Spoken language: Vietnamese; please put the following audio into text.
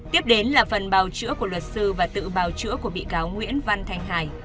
tiếp đến là phần bào chữa của luật sư và tự bào chữa của bị cáo nguyễn văn thanh hải